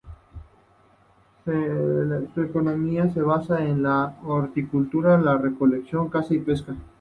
Su economía se basa en la horticultura, la recolección, caza y pesca.